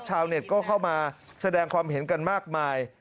ชาวเน็ตก็เข้ามาแสดงความเห็นกันมากมาย